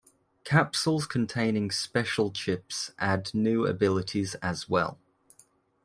Capsules containing special chips add new abilities as well.